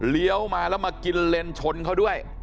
เลี้ยวมาแล้วมากินเล่นชนเขาด้วย